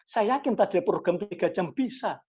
saya yakin tadi program tiga jam bisa